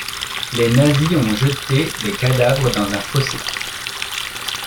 Les nazis ont jeté les cadavres dans un fossé.